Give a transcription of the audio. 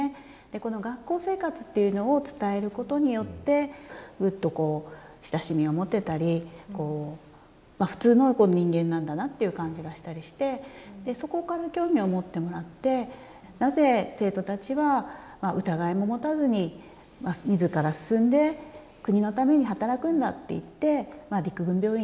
この学校生活というのを伝えることによってグッとこう親しみを持てたり普通の人間なんだなっていう感じがしたりしてそこから興味を持ってもらってなぜ生徒たちは疑いも持たずに自ら進んで「国のために働くんだ」って言って陸軍病院